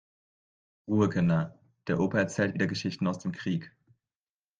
Ruhe Kinder, der Opa erzählt wieder Geschichten aus dem Krieg.